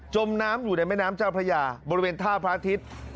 มน้ำอยู่ในแม่น้ำเจ้าพระยาบริเวณท่าพระอาทิตย์